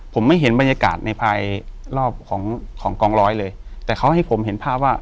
ผมไม่เห็นบรรยากาศในภายรอบของของกองร้อยเลยแต่เขาให้ผมเห็นภาพว่า